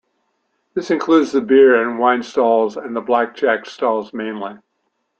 This includes the beer and wine stalls and the blackjack stalls mainly.